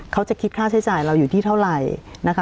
เขาจะคิดค่าใช้จ่ายเราอยู่ที่เท่าไหร่นะคะ